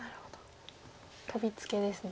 トビツケですね。